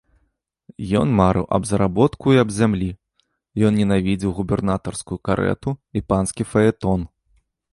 Ён марыў аб заработку і аб зямлі, ён ненавідзеў губернатарскую карэту і панскі фаэтон.